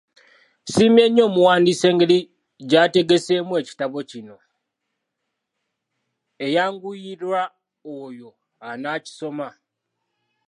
Nsiimye nnyo omuwandiisi engeri gy'ategeseemu ekitabo kino, eyanguyirwa oyo anaakisoma.